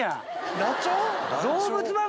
ダチョウ？